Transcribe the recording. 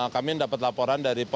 kami dapat laporan dari pemirsa